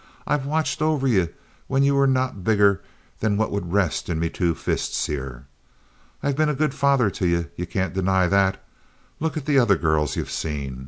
I've watched over ye when ye were not bigger than what would rest in me two fists here. I've been a good father to ye—ye can't deny that. Look at the other girls you've seen.